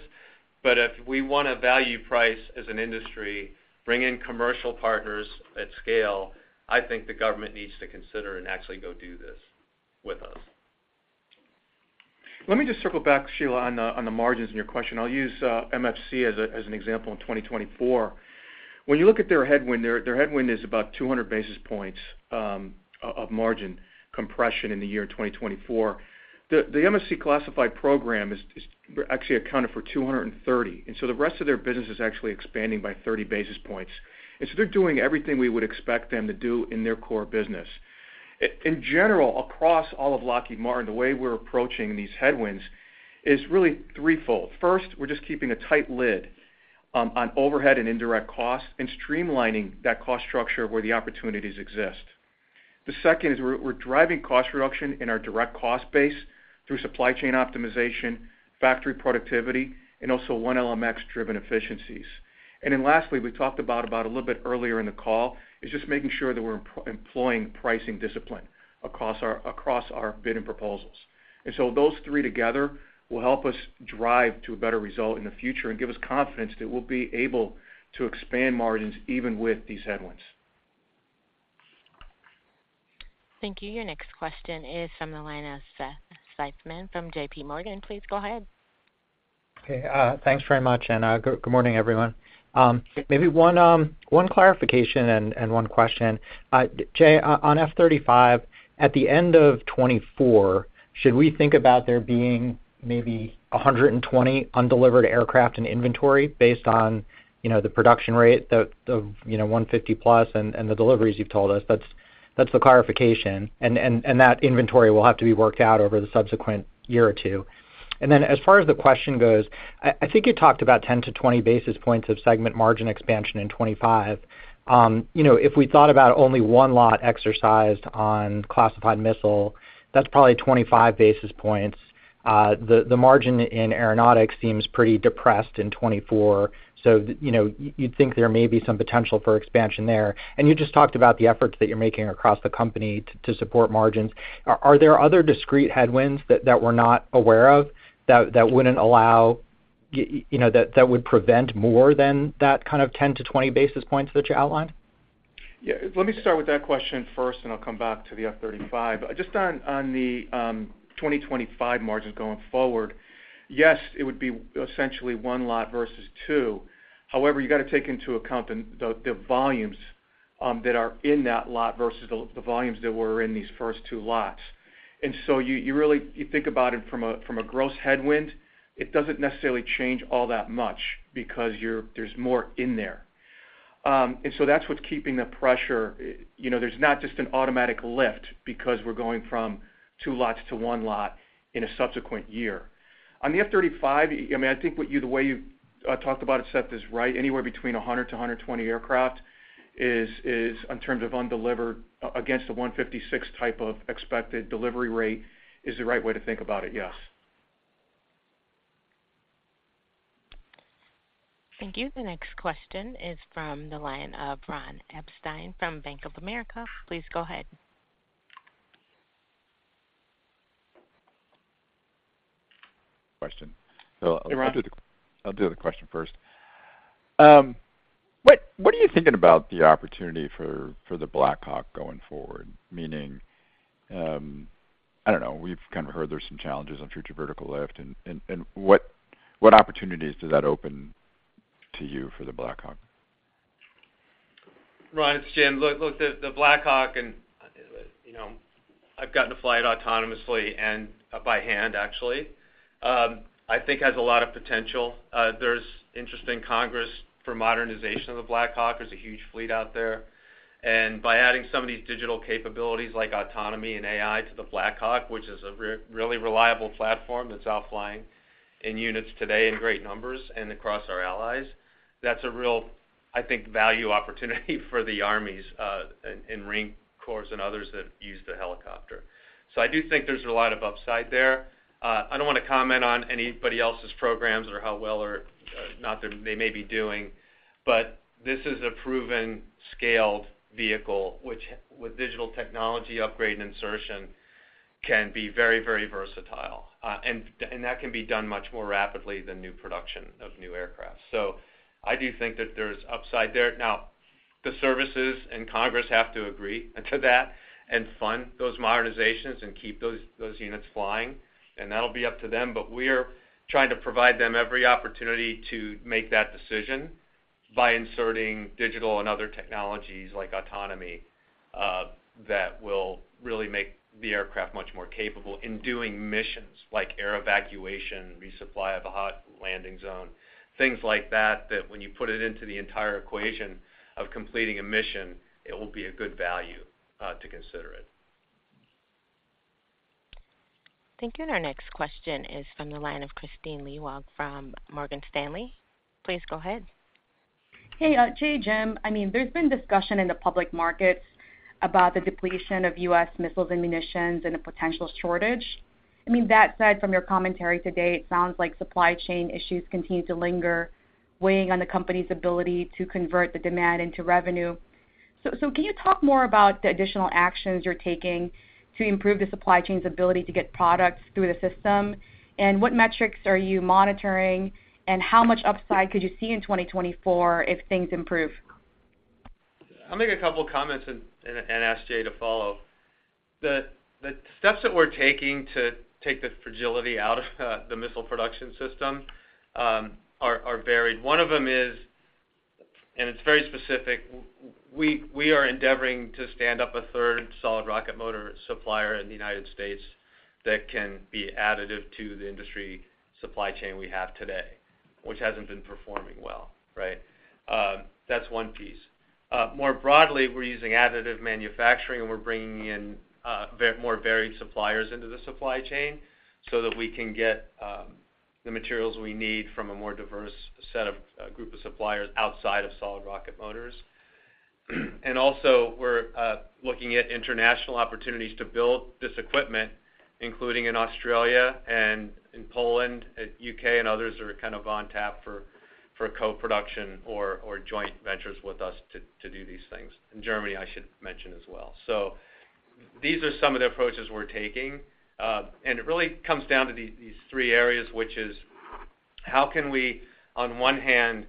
If we want to value price as an industry, bring in commercial partners at scale, I think the government needs to consider and actually go do this with us. Let me just circle back, Sheila, on the, on the margins in your question. I'll use MFC as a, as an example in 2024. When you look at their headwind, their, their headwind is about 200 basis points of, of margin compression in the year 2024. The, the MFC classified program is, is actually accounted for 230, and so the rest of their business is actually expanding by 30 basis points. And so they're doing everything we would expect them to do in their core business. In general, across all of Lockheed Martin, the way we're approaching these headwinds is really threefold. First, we're just keeping a tight lid on overhead and indirect costs and streamlining that cost structure where the opportunities exist. The second is we're driving cost reduction in our direct cost base through supply chain optimization, factory productivity, and also One LMX driven efficiencies. And then lastly, we talked about a little bit earlier in the call, is just making sure that we're employing pricing discipline across our bid and proposals. And so those three together will help us drive to a better result in the future and give us confidence that we'll be able to expand margins even with these headwinds. Thank you. Your next question is from the line of Seth Seifman from JPMorgan. Please go ahead. Okay, thanks very much, and good, good morning, everyone. Maybe one, one clarification and, and one question. Jay, on F-35, at the end of 2024, should we think about there being maybe 120 undelivered aircraft in inventory based on, you know, the production rate, the, the, you know, 150+ and, and the deliveries you've told us? That's, that's the clarification. And, and, and that inventory will have to be worked out over the subsequent year or two. And then as far as the question goes, I think you talked about 10-20 basis points of segment margin expansion in 2025. You know, if we thought about only one lot exercised on classified missile, that's probably 25 basis points. The margin in aeronautics seems pretty depressed in 2024, so, you know, you'd think there may be some potential for expansion there. And you just talked about the efforts that you're making across the company to support margins. Are there other discrete headwinds that we're not aware of, that wouldn't allow, you know, that would prevent more than that kind of 10-20 basis points that you outlined? Yeah. Let me start with that question first, and I'll come back to the F-35. Just on the 2025 margins going forward, yes, it would be essentially one lot versus two. However, you've got to take into account the volumes that are in that lot versus the volumes that were in these first two lots. And so you really think about it from a gross headwind, it doesn't necessarily change all that much because you're, there's more in there. And so that's what's keeping the pressure. You know, there's not just an automatic lift because we're going from two lots to one lot in a subsequent year. On the F-35, I mean, I think what you, the way you talked about it, Seth, is right. Anywhere between 100-120 aircraft is in terms of undelivered against the 156 type of expected delivery rate, is the right way to think about it, yes. Thank you. The next question is from the line of Ronald Epstein from Bank of America. Please go ahead. Question. Hey, Ron. I'll do the question first. What are you thinking about the opportunity for the Black Hawk going forward? Meaning, I don't know. We've kind of heard there's some challenges on Future Vertical Lift, and what opportunities does that open to you for the Black Hawk? Ron, it's Jim. Look, look, the Black Hawk and, you know, I've gotten to fly it autonomously and by hand, actually, I think has a lot of potential. There's interest in Congress for modernization of the Black Hawk. There's a huge fleet out there. And by adding some of these digital capabilities like autonomy and AI to the Black Hawk, which is a really reliable platform that's out flying in units today in great numbers and across our allies, that's a real, I think, value opportunity for the armies, and Marine Corps and others that use the helicopter. So I do think there's a lot of upside there. I don't want to comment on anybody else's programs or how well or not they may be doing, but this is a proven scaled vehicle, which with digital technology, upgrade, and insertion, can be very, very versatile. And that can be done much more rapidly than new production of new aircraft. So I do think that there's upside there. Now, the services and Congress have to agree to that and fund those modernizations and keep those units flying, and that'll be up to them. But we're trying to provide them every opportunity to make that decision by inserting digital and other technologies, like autonomy, that will really make the aircraft much more capable in doing missions, like air evacuation, resupply of a hot landing zone. Things like that, that when you put it into the entire equation of completing a mission, it will be a good value to consider it. Thank you. And our next question is from the line of Kristine Liwag from Morgan Stanley. Please go ahead. Hey, Jay, Jim, I mean, there's been discussion in the public markets about the depletion of U.S. missiles and munitions and a potential shortage. I mean, that said, from your commentary to date, it sounds like supply chain issues continue to linger, weighing on the company's ability to convert the demand into revenue. So, can you talk more about the additional actions you're taking to improve the supply chain's ability to get products through the system? And what metrics are you monitoring, and how much upside could you see in 2024 if things improve? I'll make a couple of comments and ask Jay to follow. The steps that we're taking to take the fragility out of the missile production system are varied. One of them is, and it's very specific, we are endeavoring to stand up a third solid rocket motor supplier in the United States that can be additive to the industry supply chain we have today, which hasn't been performing well, right? That's one piece. More broadly, we're using additive manufacturing, and we're bringing in more varied suppliers into the supply chain so that we can get the materials we need from a more diverse set of group of suppliers outside of solid rocket motors. And also, we're looking at international opportunities to build this equipment, including in Australia and in Poland. U.K. and others are kind of on tap for co-production or joint ventures with us to do these things. And Germany, I should mention as well. So these are some of the approaches we're taking, and it really comes down to these three areas, which is, how can we, on one hand,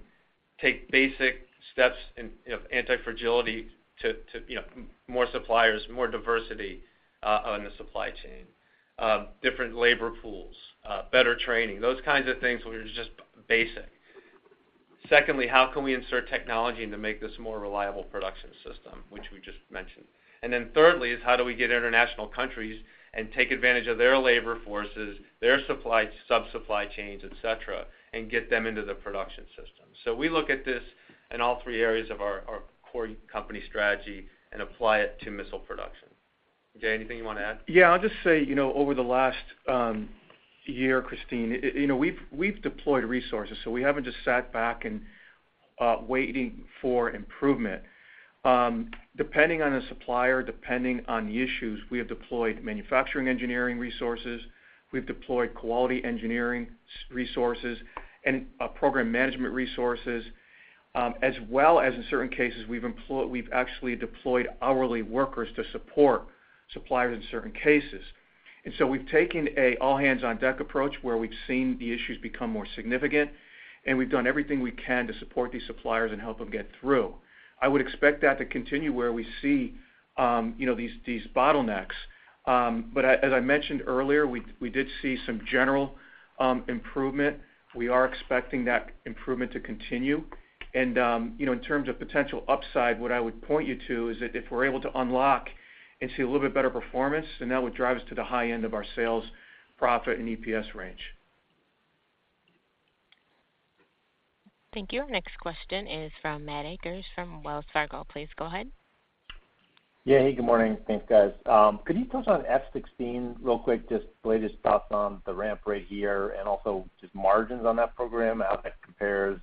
take basic steps in, you know, antifragility to, you know, more suppliers, more diversity, on the supply chain, different labor pools, better training, those kinds of things where it's just basic. Secondly, how can we insert technology and to make this a more reliable production system, which we just mentioned. And then thirdly, is how do we get international countries and take advantage of their labor forces, their supply, sub-supply chains, et cetera, and get them into the production system? We look at this in all three areas of our, our core company strategy and apply it to missile production. Jay, anything you want to add? Yeah, I'll just say, you know, over the last year, Christine, you know, we've, we've deployed resources, so we haven't just sat back and waiting for improvement. Depending on the supplier, depending on the issues, we have deployed manufacturing engineering resources, we've deployed quality engineering resources and program management resources, as well as in certain cases, we've actually deployed hourly workers to support suppliers in certain cases. And so we've taken an all-hands-on-deck approach, where we've seen the issues become more significant, and we've done everything we can to support these suppliers and help them get through. I would expect that to continue where we see, you know, these, these bottlenecks. But as, as I mentioned earlier, we, we did see some general improvement. We are expecting that improvement to continue. You know, in terms of potential upside, what I would point you to is that if we're able to unlock and see a little bit better performance, then that would drive us to the high end of our sales, profit, and EPS range. Thank you. Our next question is from Matthew Akers, from Wells Fargo. Please go ahead. Yeah. Hey, good morning. Thanks, guys. Could you touch on F-16 real quick, just latest thoughts on the ramp right here, and also just margins on that program, how that compares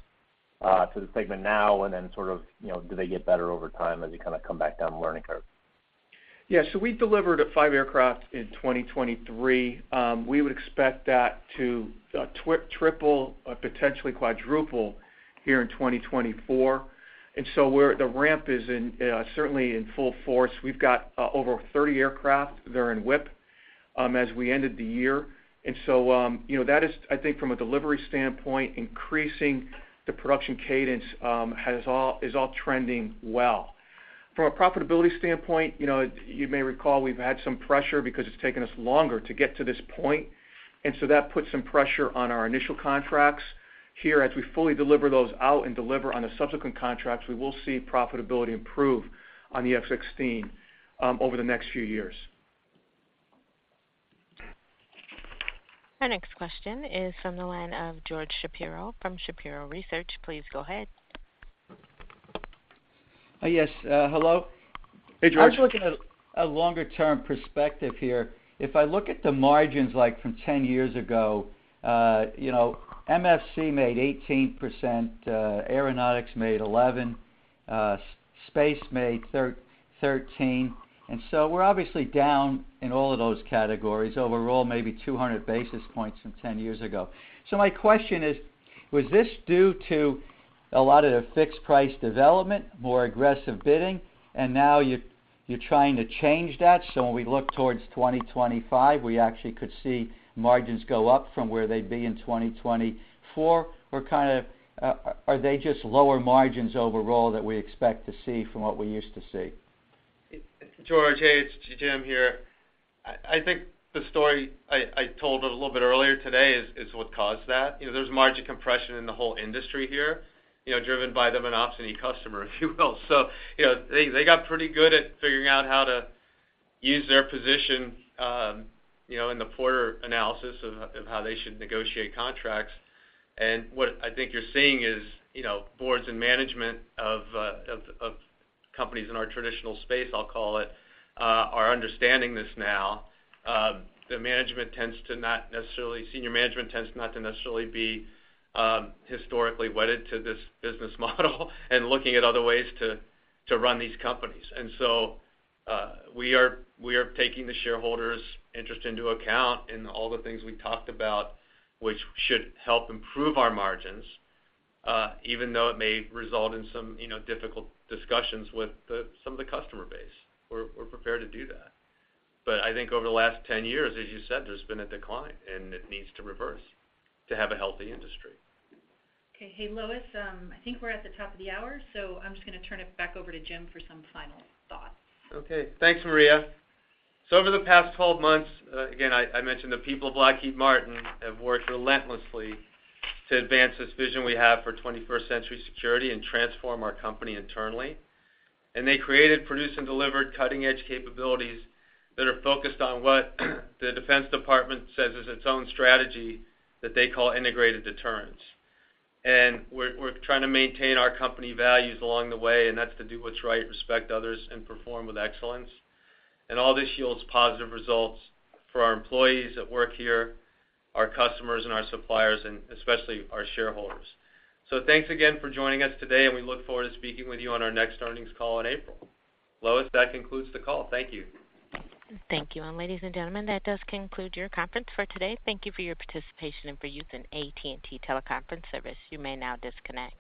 to the segment now and then sort of, you know, do they get better over time as you kind of come back down the learning curve? Yeah, so we delivered 5 aircraft in 2023. We would expect that to triple, or potentially quadruple here in 2024. And so we're the ramp is in certainly in full force. We've got over 30 aircraft that are in WIP as we ended the year. And so you know, that is, I think, from a delivery standpoint, increasing the production cadence has all, is all trending well. From a profitability standpoint, you know, you may recall we've had some pressure because it's taken us longer to get to this point, and so that put some pressure on our initial contracts. Here, as we fully deliver those out and deliver on the subsequent contracts, we will see profitability improve on the F-16 over the next few years. Our next question is from the line of George Shapiro from Shapiro Research. Please go ahead. Yes, hello. Hey, George. I was looking at a longer-term perspective here. If I look at the margins, like from 10 years ago, you know, MFC made 18%, aeronautics made 11%, space made 13. So we're obviously down in all of those categories, overall, maybe 200 basis points from 10 years ago. So my question is, was this due to a lot of the fixed price development, more aggressive bidding, and now you're trying to change that, so when we look towards 2025, we actually could see margins go up from where they'd be in 2024? Or kind of, are they just lower margins overall that we expect to see from what we used to see? George, hey, it's Jim here. I think the story I told a little bit earlier today is what caused that. You know, there's margin compression in the whole industry here, you know, driven by the monopsony customer, if you will. So, you know, they got pretty good at figuring out how to use their position, you know, in the Porter analysis of how they should negotiate contracts. And what I think you're seeing is, you know, boards and management of companies in our traditional space, I'll call it, are understanding this now. The management tends to not necessarily senior management tends not to necessarily be historically wedded to this business model, and looking at other ways to run these companies. And so, we are taking the shareholders' interest into account in all the things we talked about, which should help improve our margins, even though it may result in some, you know, difficult discussions with some of the customer base. We're prepared to do that. But I think over the last 10 years, as you said, there's been a decline, and it needs to reverse to have a healthy industry. Okay. Hey, Lois, I think we're at the top of the hour, so I'm just gonna turn it back over to Jim for some final thoughts. Okay. Thanks, Maria. So over the past 12 months, again, I mentioned the people of Lockheed Martin have worked relentlessly to advance this vision we have for 21st-century security and transform our company internally. And they created, produced, and delivered cutting-edge capabilities that are focused on what the Defense Department says is its own strategy that they call integrated deterrence. And we're trying to maintain our company values along the way, and that's to do what's right, respect others, and perform with excellence. And all this yields positive results for our employees that work here, our customers, and our suppliers, and especially our shareholders. So thanks again for joining us today, and we look forward to speaking with you on our next earnings call in April. Lois, that concludes the call. Thank you. Thank you. Ladies and gentlemen, that does conclude your conference for today. Thank you for your participation and for using AT&T Teleconference service. You may now disconnect.